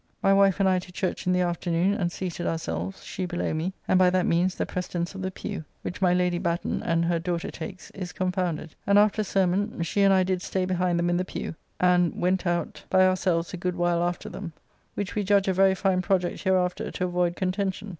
My wife and I to church in the afternoon, and seated ourselves, she below me, and by that means the precedence of the pew, which my Lady Batten and her daughter takes, is confounded; and after sermon she and I did stay behind them in the pew, and went out by ourselves a good while after them, which we judge a very fine project hereafter to avoyd contention.